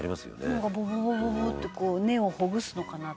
「なんかボボボボボッてこう根をほぐすのかなと」